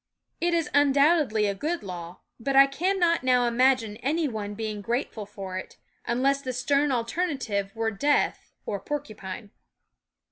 It is undoubtedly a good law; but I cannot now imagine any one being grateful for it, unless the stern alternative were death or porcupine.